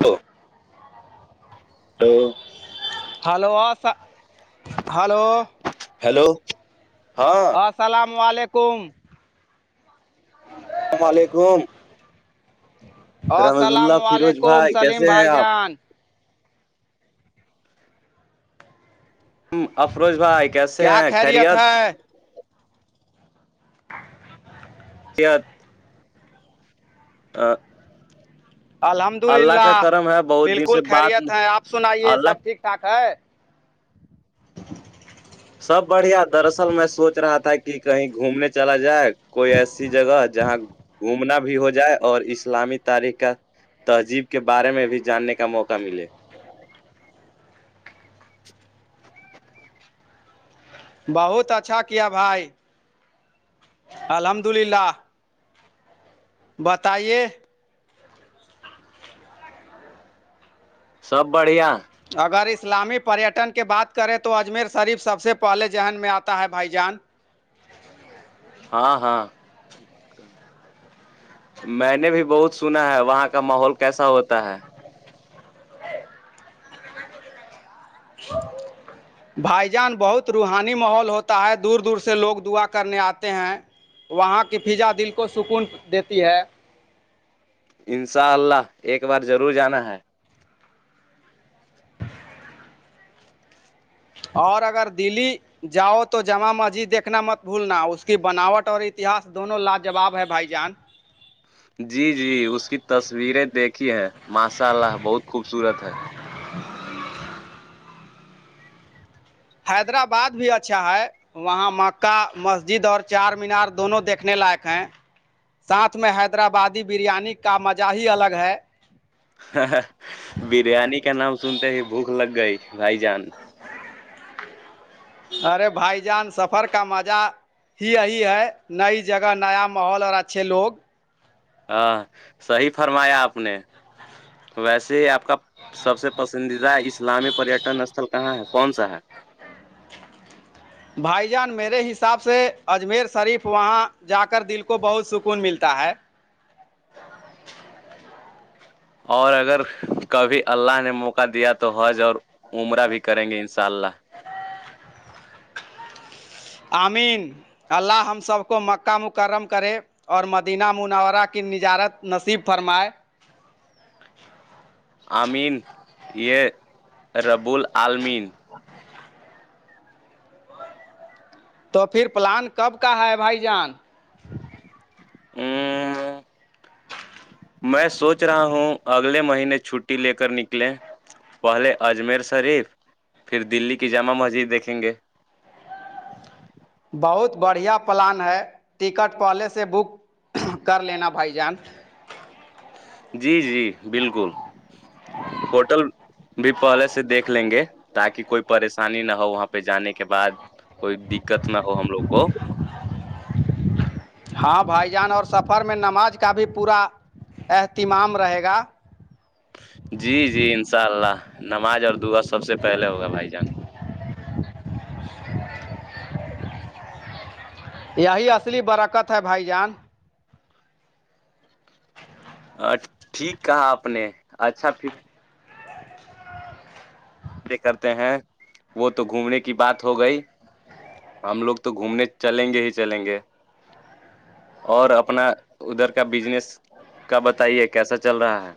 تو تو ہیلو آ ہلو ہیلو ہاں السلام علیکم السلام علیکم رحمد السلام اللہ فیروز علیکم بھائی سلیم کیسے ہیں بھائی آپ جان افروج بھائی کیسے کیا ہیں خیریت ہے کت آ الحمد کا للہ کرم ہے بہت دن بالکل سے بات خیریت ہیں آپ سنائیے اللہ سب ٹھیک ٹھاک ہے سب بڑھیا دراصل میں سوچ رہا تھا کہ کہیں گھومنے چلا جائے کوئی ایسی جگہ جہاں گھومنا بھی ہو جائے اور اسلامی تاریخ کا تہذیب کے بارے میں بھی جاننے کا موقع ملے بہت اچھا کیا بھائی الحمد للہ بتائیے سب بڑھیا اگر اسلامی پریٹن کی بات کریں تو اجمیر شریف سب سے پہلے ذہن میں آتا ہے بھائی جان ہاں ہاں میں نے بھی بہت سنا ہے وہاں کا ماحول کیسا ہوتا ہے ہ بھائی جان بہت روحانی ماحول ہوتا ہے دور دور سے لوگ دعا کرنے آتے ہیں وہاں کی فضا دل کو سکون دیتی ہے انشاء اللہ ایک بار ضرور جانا ہے اور اگر دلی جاؤ تو جامع مسجد دیکھنا مت بھولنا اس کی بناوٹ اور اتہس دونوں لاجواب ہے بھائی جان جی جی اس کی تصویریں دیکھی ہے ماشاء اللہ بہت خوبصورت ہے حیدرآباد بھی اچھا ہے وہاں مکہ مسجد اور چار مینار دونوں دیکھنے لائق ہیں ساتھ میں حیدرآبادی بریانی کا مزہ ہی الگ ہے بریانی کا نام سنتے ہی بھوک لگ گئی بھائی جان ارے بھائی جان سفر کا مزہ ہی یہی ہے نئی جگہ نیا محول اور اچھے لوگ ہاں صحیح فرمایا آپ نے ویسے آپ کا سب سے پسندیدہ اسلامی پریٹن استھل کہاں ہے کون سا ہے بھائی جان میرے حساب سے اجمیر شریف وہاں جا کر دل کو بہت سکون ملتا ہے اور اگر کبھی اللہ نے موقع دیا تو حض اور عمرہ بھی کریں گے ان شاء اللہ آمین اللہ ہم سب کو مکہ مکرم کرے اور مدینہ منورہ کی نجارت نصیب فرمائے امین یہ ربول علمین تو پھر پلان کب کا ہے بھائی جان ہ میں سوچ رہا ہوں اگلے مہینے چھٹی لے کر نکلیں پہلے اجمیر شریف پھر دلی کی جامع مسجد دیکھیں گے بہت بڑھیا پلان ہے ٹکٹ پہلے سے بک کر لینا بھائی جان جی جی بالکل ہوٹل بھی پہلے سے دیکھ لیں گے تاکہ کوئی پریشانی نہ ہو وہاں پہ جانے کے بعد کوئی دقت نہ ہو ہم لوگ کو ہاں بھائی جان اور سفر میں نماز کا بھی پورا اہتمام رہے گا جی جی ان شاء اللہ نماز اور دعا سب سے پہلے ہوگا بھائی جان یہی اصلی برکت ہے بھائی جان ٹھیک کہا آپ نے اچھا فی کرتے ہیں وہ تو گھومنے کی بات ہو گئی ہم لوگ تو گھومنے چلیں گے ہی چلیں گے اور اپنا ادھر کا بجنس کا بتائیے کیسا چل رہا ہے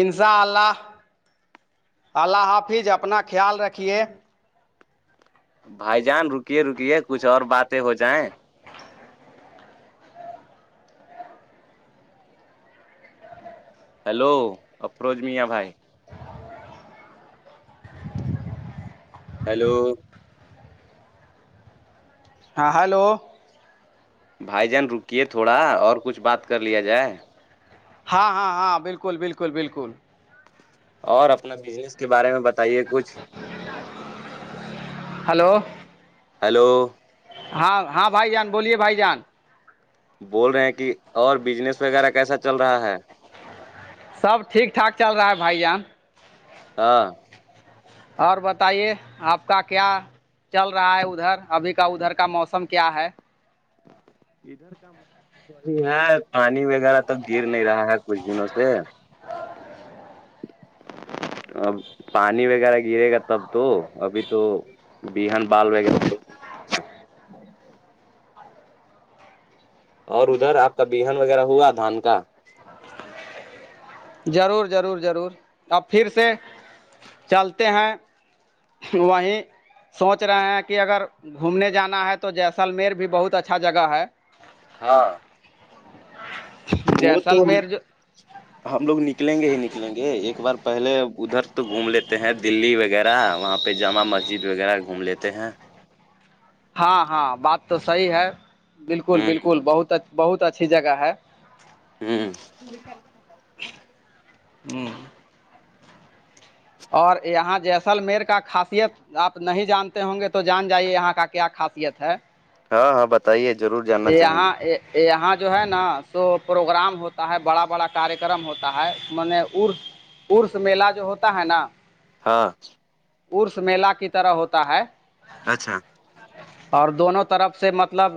انساء اللہ اللہ حافظ اپنا خیال رکھیے بھائی جان رکیے رکیے کچھ اور باتیں ہو جائیں ہیلو افروج میاں بھائی ہیلو ہاں ہلو بھائی جان رکیے تھوڑا اور کچھ بات کر لیا جائے ہاں ہاں ہاں بالکل بالکل بالکل اور اپنا بزنس کے بارے میں بتائیے کچھ ہلو ہیلو ہاں ہاں بھائی جان بولیے بھائی جان بول رہے ہیں کہ اور بجنس وغیرہ کیسا چل رہا ہے سب ٹھیک ٹھاک چل رہا ہے بھائی جان ہاں اور بتائیے آپ کا کیا چل رہا ہے ادھر ابھی کا ادھر کا موسم کیا ہے ادھر کام وہی ہے پانی وغیرہ تو گر نہیں رہا ہے کچھ دنوں سے [inaudible] اب پانی وغیرہ گرے گا تب تو ابھی تو بہن بال وغیرہ اور ادھر آپ کا بہن وغیرہ ہوا دھان کا ضرور ضرور ضرور اب پھر سے چلتے ہیں وہیں سوچ رہے ہیں کہ اگر گھومنے جانا ہے تو جیسلمیر بھی بہت اچھا جگہ ہے ہاں وہ جیسل تو میر جو ہم لوگ نکلیں گے ہی نکلیں گے ایک بار پہلے ادھر تو گھوم لیتے ہیں دللی وغیرہ وہاں پہ جامع مسجد وغیرہ گھوم لیتے ہیں ہاں ہاں بات تو صحیح ہے بالکل ہوں بالکل بہت بہت اچھی جگہ ہے ہوں ہوں اور یہاں جیسلمیر کا خاصیت آپ نہیں جانتے ہوں گے تو جان جائیے یہاں کا کیا خاصیت ہے ہاں ہاں بتائیے ضرور جاننا یہ چاہیں گے آ یہاں جو ہے نا سو پروگرام ہوتا ہے بڑا بڑا کاریہ کررم ہوتا ہے میں نےر ارس میلہ جو ہوتا ہے نا ہاں ارس میلہ کی طرح ہوتا ہے اچھا اور دونوں طرف سے مطلب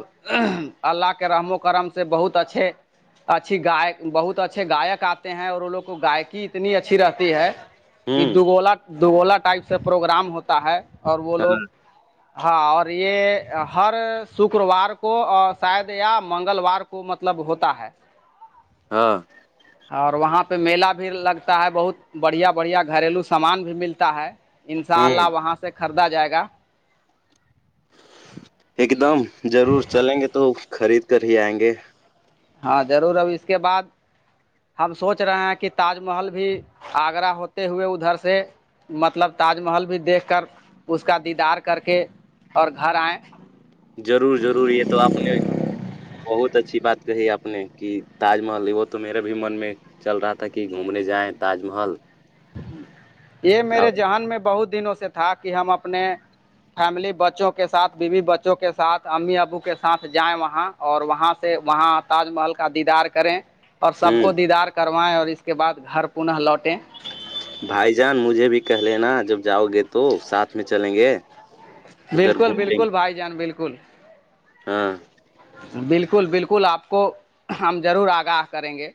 اللہ کے رحم و کرم سے بہت اچھے اچھی گ بہت اچھے گاک آتے ہیں اور ان لوگ کو گائکی اتنی اچھی رہتی ہے کہ ہوں دوگولا دوگولا ٹائپ سے پروگرام ہوتا ہے اور وہ لوگ ہاں اور یہ ہر شکروار کو کو شاید یا منگلوار کو مطلب ہوتا ہے ہاں اور وہاں پہ میلا بھی لگتا ہے بہت بڑھیا بڑھیا گھریلو سامان بھی ملتا ہے ان شاء ہوں اللہ وہاں سے خریدا جائے گا ایک دم ضرور چلیں گے تو خرید کر ہی آئیں گے ہاں ضرور اب اس کے بعد ہم سوچ رہے ہیں کہ تاج محل بھی آگرہ ہوتے ہوئے ادھر سے مطلب تاج محل بھی دیکھ کر اس کا دیدار کر کے اور گھر آئے ضرور ضرور یہ تو آپ نے بہت اچھی بات کہی آپ نے کہ تاج محل وہ تو میرے بھی من میں چل رہا تھا کہ گھومنے جائیں تاج محل یہ میرے ذہن میں بہت دنوں سے تھا کہ ہم اپنے فیملی بچوں کے سھ بیوی بچوں کے ساتھ امی ابو کےاتھ جائ وہاں اور وہاں سے وہاں تاج محل کا دیدار کریں اور سب ہ کو دیدار کروائیں اور اس کے بد گھر پن لوٹیں بھائی جان مجھے بھی کہ لینا جب جاؤ گے تو ساتھ میں چلیں گے ادھر بالکل گھوم لیں بالکل بھائی جان بالکل ہاں بالکل بالکل آپ کو ہم ضرور آگاہ کریں گے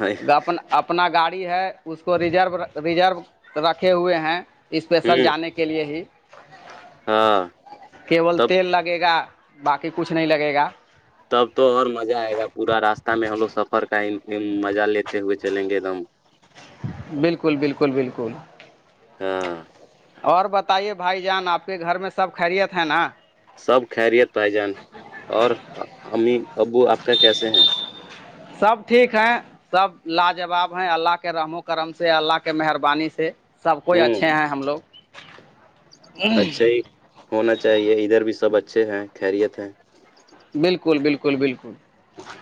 ہ اگر اپن اپنا گاڑی ہے اس کو ریزر ریزرو رکھے ہوئے ہیں اسپیشل جانے کے کے لیے ہی ہاں کیول تب تیل لگے گا باقی کچھ نہیں لگے گا تب تو اور مزہ آئے گا پورا راستہ میں ہم لوگ سفر کا مزہ لیتے ہوئے چلیں گے ایک دم بالکل بالکل بالکل ہاں اور بتائیے بھائی جان آپ کے گھر میں سب خیریت ہے نا سب خیریت پائی جان اور امی ابو آپ کا کیسے ہیں سب ٹھیک ہیں سب لاجواب ہیں اللہ کے رحم و کرم سے اللہ کے مہربانی سے سب کوئی اچھے ہیں ہم لوگ اچھے ہی ہونا چاہیے ادھر بھی سب اچھے ہیں خیریت ہیں بالکل بالکل بالکل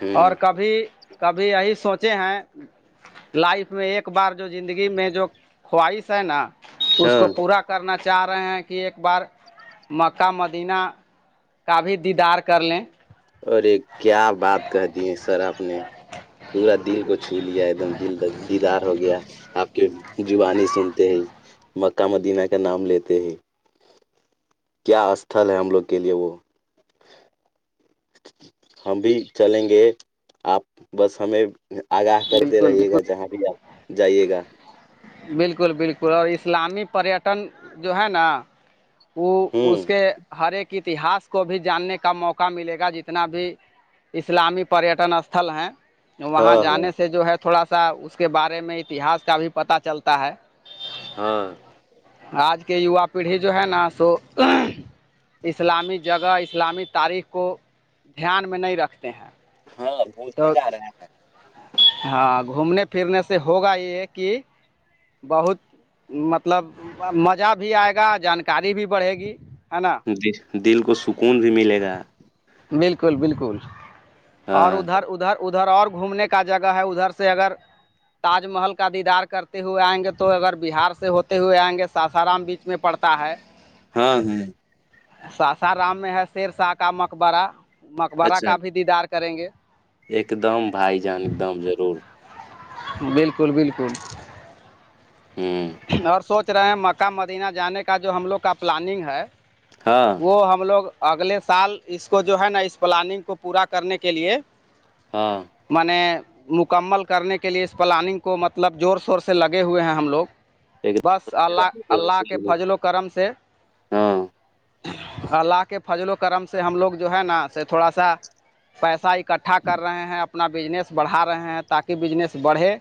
ہ اور کبھی کبھی یہی سوچے ہیں لائف میں ایک بار جو زندگی میں جو خواہش ہے نا اس ہاں کو پورا کرنا چاہ رہے ہیں کہ ایک بار مکہ مدینہ کا بھی دییدار کا کر لیں اور ایک کیا بات کہ دی ہے سر آپ نے پورا دل کو چھو لیا ایک دم دل دیدار ہو گیا آپ کی زبانی سنتے ہیں مکہ مدینہ کا نام لیتے ہیں کیا استھل ہے ہم لوگ کے لیے وہ ہم بھی چلیں گے آپ بس ہمیں آگاہ کرتے بالکل رہیے بالکل گا جہاں بھی آپ جائیے گا بالکل بالکل اور اسلامی پریٹن جو ہے نا وہ اس ہوں کے ہر ایک اتہاس کو بھی جاننے کا موقع ملے گا جتنا بھی اسلامی پریٹن اسھل ہیں ہاں وہاں ہاں جانے سے جو ہے تھوڑا سا اس کے بارے میں اتہاس کا بھی پتا چلتا ہے ہاں آج کے یوا پیڑھی جو ہے نا سو اسلامی جگہ اسلامی تاریخ کو دھیان میں نہیں رکھتے ہیں ہاں بھولتے تو جا رہا ہے ہاں گھومنے پھرنے سے ہوگا یہ کہ بہت مطلب مزہ بھی آئے گا جانکاری بھی بڑھے گی ہے نا دل کو سکون بھی ملے گا بالکل بالکل اور ہاں ادھر ادھر ادھر اور گھومنے کا جگہ ہے ادھر سے اگر تاج محل کا دیدار کرتے ہوئے آئیں گے تو اگر بہار سے ہوتے ہوئے آئیں گے ساسارام بیچ میں پڑتا ہے ہاں ہاں ساسارام میں ہے شیر شاہ کا مقبرہ مقبرہ اچھا کا بھی دیدار کریں گے ایک دم بھائی جان ایک دم ضرور بالکل بالکل ہوں اور سوچ رہے ہیں مکہ مدینہ جانے کا جو ہم لوگ کا پلاننگ ہے ہاں وہ ہم لوگ اگلے سال اس کو جو ہے نا اس پلاننگ کو پورا کرنے کے لیے ہاں میں نے مکمل کرنے کے لیے اس پلاننگ کو مطلب زور شور سے لگے ہوئے ہیں ہم لوگ ایک بس اللہ اللہ کے دم۔ فضل و کرم سے ہاں اللہ کے فضل و کرم سے ہم لوگ جو ہے نا تھوڑا سا پیسہ ایک اکٹھا کر رہے ہیں اپنا بزنس بڑھا رہے ہیں تاکہ بجنس بڑھے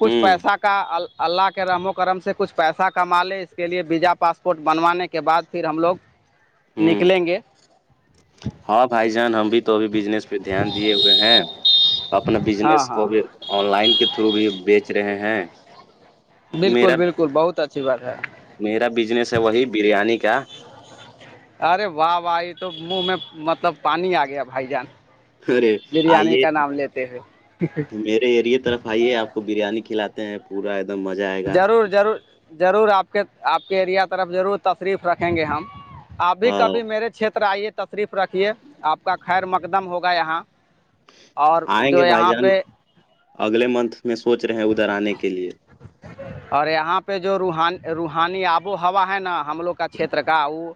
کچھ ہوں پیسہ کا اللہ کے رحمک کرم سے کچھ پیسہ کما لے اس کے لیے ویزا پاسپورٹ بنوانے کے بعد پھر ہم لوگ ہوں نکلیں گے ہاں بھائی جان ہم بھی تو ابھی بجنس پہ دھیان دیے ہوئے ہیں اپنا بزنس ہاں کو ہاں بھی آن لائن کے تھرو بھی بیچ رہے ہیں بالکل میرا بالکل بہت اچھی بات ہے میرا بزنس ہے وہی بریانی کا ارے واہ واہ یہ تو منہ میں مطلب پانی آ گیا بھائی جان ارے بریانی آئیے کا نام لیتے ہوئے میرے ایریے طرف آئیے آپ وہ بریانی کھلاتے ہیں پورا ایک دم مزہ آئے گا ضرور ضرور ضرور آپ کے آپ کے ایریا طرف ضرور تشریف رکھیں گے ہم ابھی ہاں کبھی میرے چھیتر آئیے تشریف رکھیے آپ کا خیر مقدم ہوگا یہاں اور آئیں جو گے بھائی یہاں جان پہ اگلے منتھ میں سوچ رہے ہیں ادھر آنے کے لیے اور یہاں پہ جو روح روحانی آب و ہوا ہے نا ہم لوگ کا چھیتر کا وہ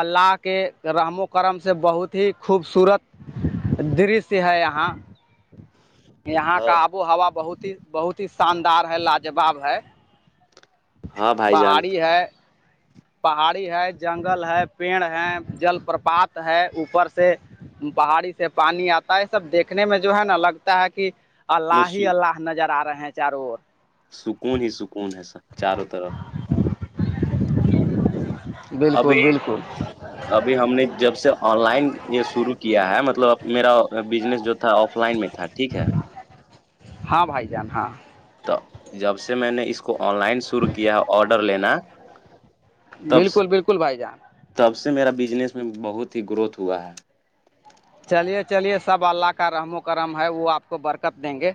اللہ کے رحم و کرم سے بہت ہی خوبصورت درشیہ ہے یہاں یہاں ہاں کا آب و ہوا بہت ہی بہت ہی شاندار ہے لاجواب ہے ہاں بھائی جان پہاڑی ہے پہاڑی ہے جنگل ہے پیڑ ہے جل پرپات ہے اوپر سے پہاڑی سے پانی آتا ہے یہ سب دیکھنے میں جو ہے نا لگتا ہے کہ اللہ ہی اللہ نظر آ رہے ہیں چاروں سکون ہی سکون ہے سر چاروں طرف ابھی بالکل بالکل ابھی ہم نے جب سے آن لائن یہ شروع کیا ہے مطلب میرا بزنس جو تھا آف لائن میں تھا ٹھیک ہے ہاں بھائی جان ہاں تو جب سے میں نے اس کو آن لائن شروع کیا آڈر لینا تب سے بالکل بالکل بھائی جان تب سے میرا بزنس میں بہت ہی گروتھ ہوا ہے چلیے چلیے سب اللہ کا رحم و کرم ہے وہ آپ کو برکت دیں گے